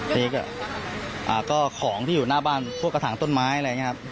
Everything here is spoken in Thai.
ทีนี้ก็ของที่อยู่หน้าบ้านพวกกระถางต้นไม้อะไรอย่างนี้ครับ